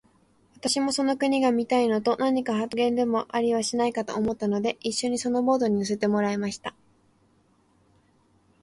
私もその国が見たいのと、何か発見でもありはしないかと思ったので、一しょにそのボートに乗せてもらいました。